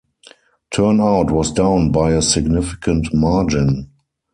Turnout was down by a significant margin.